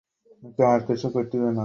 প্রথমে তো আপনাকে জিজ্ঞাসাবাদ করতে হবে।